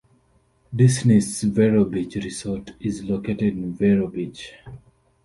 Disney's Vero Beach Resort is located in Vero Beach.